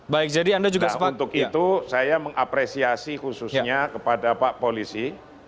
baik jadi anda juga untuk itu saya mengapresiasi khususnya kepada pak polisi